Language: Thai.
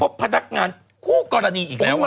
พนักงานคู่กรณีอีกแล้ว